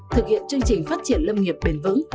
thực hiện chương trình phát triển lâm nghiệp bền vững